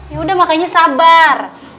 ya udah makanya sabar